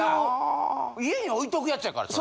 家に置いとくやつやからさ。